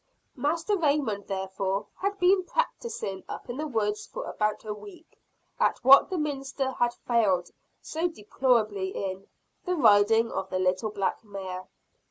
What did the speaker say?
Master Raymond therefore had been practising up in the woods for about a week, at what the minister had failed so deplorably in, the riding of the little black mare.